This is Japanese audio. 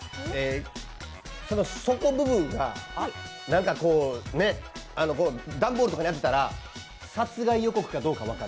底部分が、なんか段ボールとかになってたら殺害予告かどうか分かる。